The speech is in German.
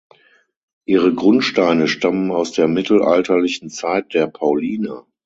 Ihre Grundsteine stammen aus der mittelalterlichen Zeit der Pauliner.